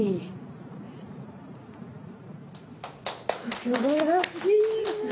すばらしい。